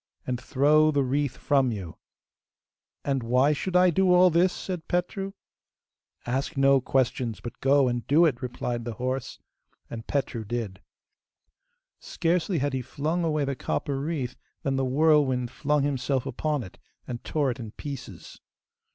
and throw the wreath from you!' 'And why should I do all this?' said Petru. 'Ask no questions, but go and do it,' replied the horse. And Petru did. Scarcely had he flung away the copper wreath than the whirlwind flung himself upon it, and tore it in pieces.